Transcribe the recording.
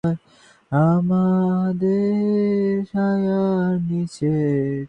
যদি আমাদের আশ্রয় না দেয়?